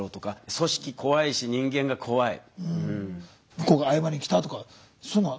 向こうが謝りにきたとかそういうのは？